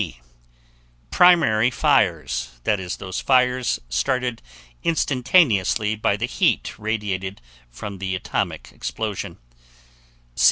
B. Primary fires, i.e., those fires started instantaneously by the heat radiated from the atomic explosion.